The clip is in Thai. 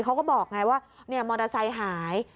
เขาก็บอกไงว่ามอเตอร์ไซค์หาย